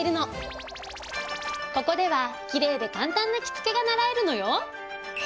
ここではキレイで簡単な着付けが習えるのよ。